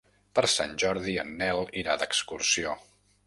Per Sant Jordi en Nel irà d'excursió.